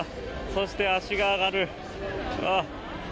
そして、足が上がる。